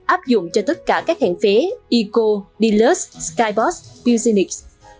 áp dụng cho tất cả các hãng vé eco deluxe skybox puginix